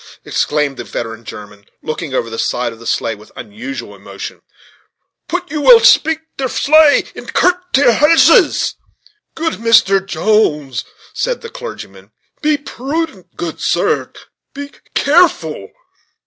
exclaimed the veteran German, looking over the side of the sleigh with unusual emotion, "put you will preak ter sleigh and kilt ter horses!" "Good Mr. Jones," said the clergyman, "be prudent, good sir be careful."